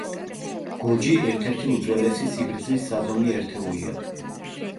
გოჯი ერთ-ერთი უძველესი სიგრძის საზომი ერთეულია.